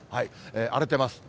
荒れてます。